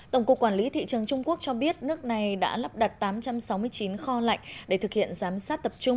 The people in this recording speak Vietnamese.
tổng cục quản lý thị trường trung quốc cho biết nước này đã lắp đặt tám trăm sáu mươi chín kho lạnh để thực hiện giám sát tập trung